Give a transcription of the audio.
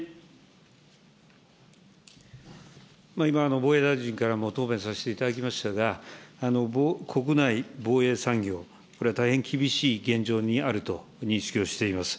今、防衛大臣からも答弁させていただきましたが、国内防衛産業、これは大変厳しい現状にあると認識をしております。